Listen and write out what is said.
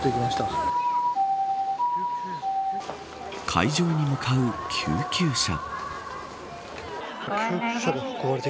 会場に向かう救急車。